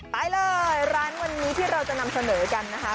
ไปเลยร้านวันนี้ที่เราจะนำเสนอกันนะคะ